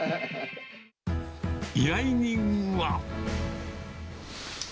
依頼人は。